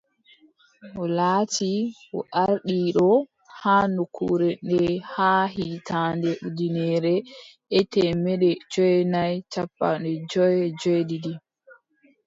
O laati o ardiiɗo haa nokkure nde haa hitaande ujineere e temeɗɗe joweenay cappanɗe jowi e joweeɗiɗi.